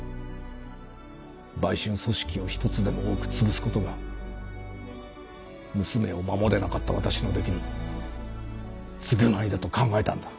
売春組織を１つでも多くつぶすことが娘を守れなかった私のできる償いだと考えたんだ。